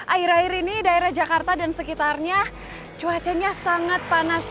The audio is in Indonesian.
akhir akhir ini daerah jakarta dan sekitarnya cuacanya sangat panas